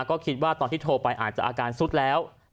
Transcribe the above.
ก็คิดว่าตอนที่โทรไปอาจจะอาการสุดแล้ว